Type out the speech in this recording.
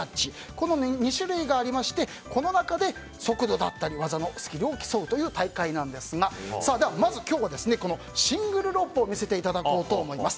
この２種類がありましてこの中で速度だったり技のスキルを競うという大会なんですが、まず今日はシングルロープを見せていただこうと思います。